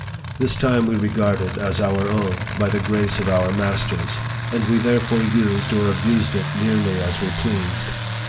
This time we regarded as our own, by the grace of our masters ; and we therefore used or abused it nearly as we pleased.